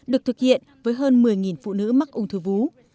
được thực hiện với hơn một mươi phụ nữ mắc ung thư vú